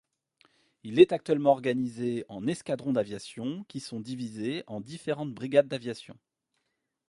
Il est actuellement organisé en escadrons d'aviation qui sont divisés en différentes brigades d'aviation.